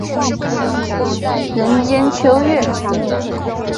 人间秋月长圆。